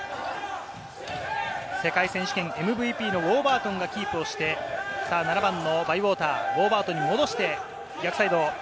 世界選手権ＭＶＰのウォーバートンがキープをして、７番のバイウォーターをウォーバートンに戻して逆サイド。